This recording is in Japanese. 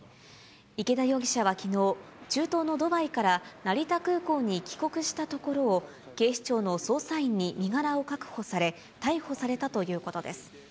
池田容疑者はきのう、中東のドバイから成田空港に帰国したところを、警視庁の捜査員に身柄を確保され、逮捕されたということです。